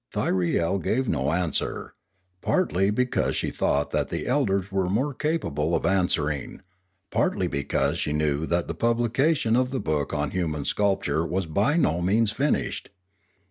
Thyriel gave no answer, partly because she thought that the elders were more capable of answering, partly because she knew that the publication of the book on human sculpture was by no means finished.